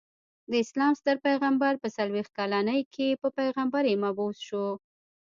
د اسلام ستر پيغمبر په څلويښت کلني کي په پيغمبری مبعوث سو.